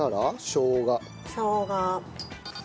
しょうが。